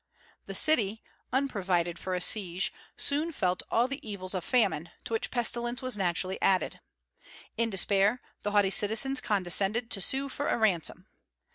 The city, unprovided for a siege, soon felt all the evils of famine, to which pestilence was naturally added. In despair, the haughty citizens condescended to sue for a ransom.